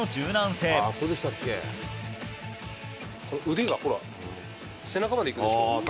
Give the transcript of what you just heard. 腕がほら、背中までいくでしょ。